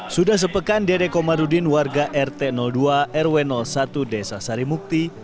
sudah sepekan dede komarudin warga rt dua rw satu desa sarimukti